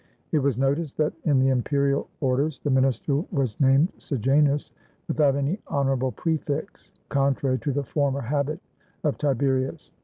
It was noticed that in the imperial orders, the minister was named Sejanus, without any honorable prefix, contrary to the former habit of Tiberius.